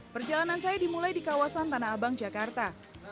perjalanan saya dimulai di kawasan tanah abang jakarta